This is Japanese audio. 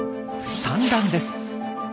産卵です！